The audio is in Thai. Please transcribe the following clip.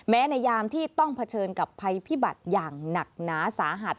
ในยามที่ต้องเผชิญกับภัยพิบัติอย่างหนักหนาสาหัส